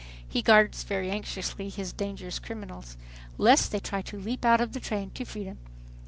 He guards very anxiously his "dangerous criminals" lest they try to leap out of the train to freedom!